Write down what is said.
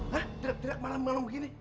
hah tirak tirak malem malem begini